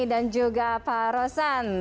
dan juga pak rosan